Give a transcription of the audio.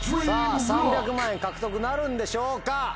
３００万円獲得なるんでしょうか。